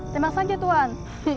tembak saja tuan